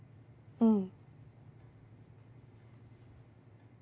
うん。